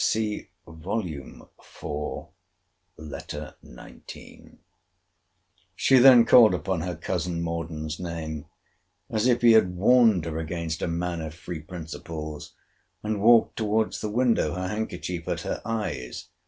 See Vol. IV. Letter XIX. She then called upon her cousin Morden's name, as if he had warned her against a man of free principles; and walked towards the window; her handkerchief at her eyes.